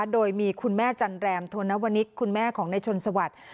โดยมีคุณแม่จันแรมโธนวนิกคุณแม่ของในชนสวัสดิ์